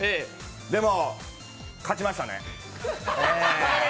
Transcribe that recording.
でも、勝ちましたね。